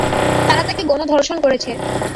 তারা তাকে গণধর্ষণ করেছে।